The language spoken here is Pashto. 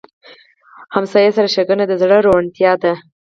ګاونډي سره ښېګڼه د زړه روڼتیا ده